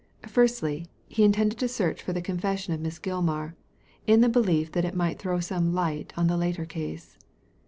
Firstly, he intended to search for the con fession of Miss Gilmar, in the belief that it might throw some light on the later case.